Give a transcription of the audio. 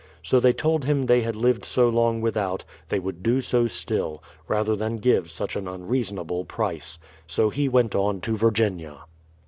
So they told him they had lived so long without, they would do so still, rather than give such an unreasonable price. So he went on to Virginia.